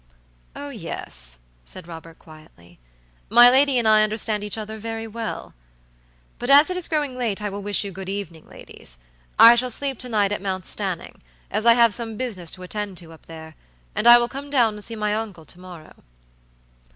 "Oh, yes," said Robert, quietly, "my lady and I understand each other very well; but as it is growing late I will wish you good evening, ladies. I shall sleep to night at Mount Stanning, as I have some business to attend to up there, and I will come down and see my uncle to morrow."